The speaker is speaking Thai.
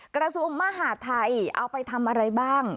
กระทรวงมหาดไทยเอาไปทำอะไรบ้าง